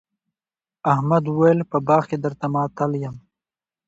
احمد وويل: په باغ کې درته ماتل یم.